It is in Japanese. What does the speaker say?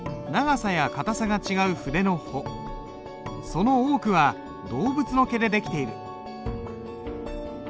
その多くは動物の毛で出来ている。